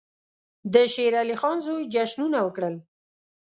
د شېر علي خان زوی جشنونه وکړل.